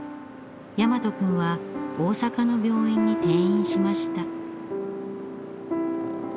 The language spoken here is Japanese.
大和君は大阪の病院に転院しました。